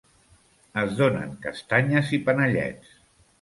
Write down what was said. Es donen castanyes i panellets.